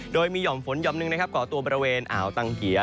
โดยมีห่อมฝนหย่อมหนึ่งนะครับก่อตัวบริเวณอ่าวตังเกีย